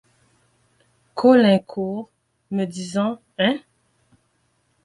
Caulaincourt me disant : «Hein !